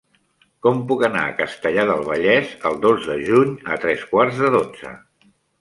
Com puc anar a Castellar del Vallès el dos de juny a tres quarts de dotze?